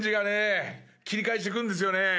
切り返してくるんですよね。